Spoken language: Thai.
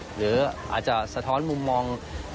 หรืออาจจะสะท้อนมุมมอง